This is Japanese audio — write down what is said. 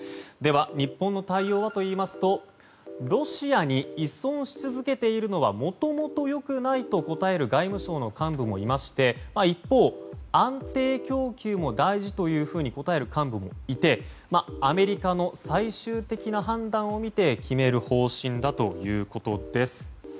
では、日本の対応はといいますとロシアに依存し続けているのはもともと良くないと答える外務省の幹部もいまして一方、安定供給も大事というふうに答える幹部もいてアメリカの最終的な判断を見て決める方針だということです。